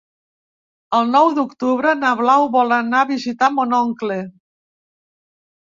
El nou d'octubre na Blau vol anar a visitar mon oncle.